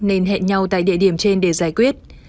nên hẹn nhau tại địa điểm trên để giải quyết